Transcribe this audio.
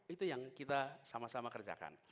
itu yang kita sama sama kerjakan